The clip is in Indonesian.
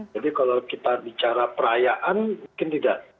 jadi kalau kita bicara perayaan mungkin tidak